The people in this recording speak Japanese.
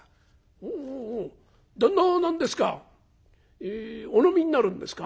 「おおお旦那は何ですかお飲みになるんですか？」。